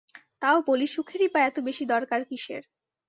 তাও বলি সুখেরই বা এত বেশি দরকার কিসের!